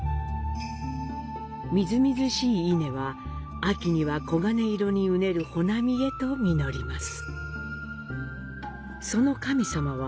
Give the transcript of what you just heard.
みずみずしい稲は、秋には黄金色にうねる穂波へと実ります。